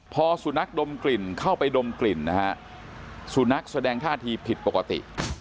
พอสุนัขดมกลิ่นเข้าไปดมกลิ่นนะฮะสุนัขแสดงท่าทีผิดปกติ